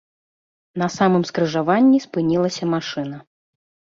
На самым скрыжаванні спынілася машына.